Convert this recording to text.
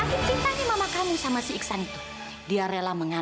eh kacung lo mau kemana